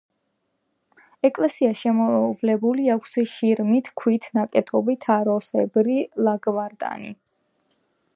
ეკლესიას შემოვლებული აქვს შირიმის ქვით ნაწყობი თაროსებრი ლავგარდანი.